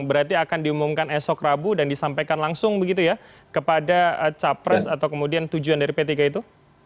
berarti akan diumumkan esok rabu dan disampaikan langsung begitu ya kepada capres atau kemudian tujuan dari p tiga itu